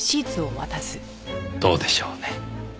どうでしょうね。